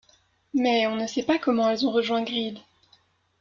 Mais, on ne sait pas comment elles ont rejoint Greed.